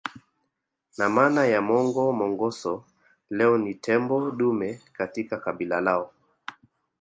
Na maana ya Mongo Mongoso leo ni tembo dume katika kabila lao